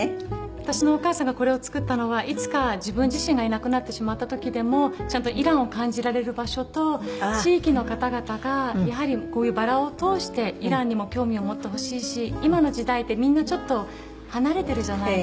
私のお母さんがこれを造ったのはいつか自分自身がいなくなってしまった時でもちゃんとイランを感じられる場所と地域の方々がやはりこういうバラを通してイランにも興味を持ってほしいし今の時代ってみんなちょっと離れてるじゃないですか。